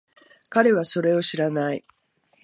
彼はそれを知らない。